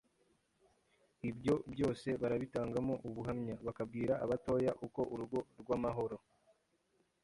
Ibyo byose barabitangamo ubuhamya, bakabwira abatoya uko urugo rw’amahoro